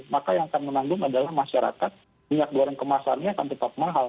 maka yang akan menanggung adalah masyarakat minyak goreng kemasannya akan tetap mahal